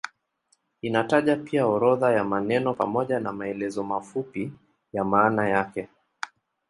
Inataja pia orodha ya maneno pamoja na maelezo mafupi ya maana yake.